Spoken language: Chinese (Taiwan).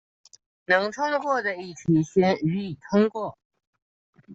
能通過的議題先予以通過